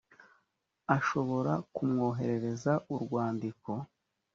ashobora kumwoherereza urwandiko